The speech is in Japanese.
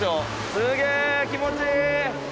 すげぇ気持ちいい！